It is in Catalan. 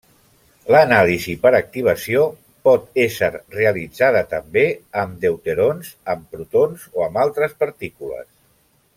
L’anàlisi per activació pot ésser realitzada també amb deuterons, amb protons o amb altres partícules.